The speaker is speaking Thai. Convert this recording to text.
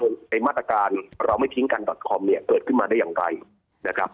ไอ้มาตรการเราไม่ทิ้งกันดอตคอมเนี่ยเกิดขึ้นมาได้อย่างไรนะครับ